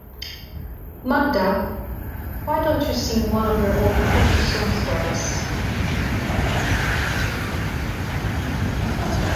Magda, why don’t you sing one of your old Polish songs for us?